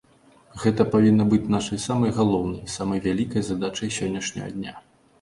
Гэта павінна быць нашай самай галоўнай, самай вялікай задачай сённяшняга дня.